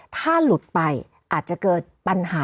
ถ้าหลุดไปอาจจะเกิดปัญหา